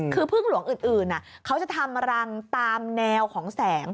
คือพึ่งหลวงอื่นเขาจะทำรังตามแนวของแสง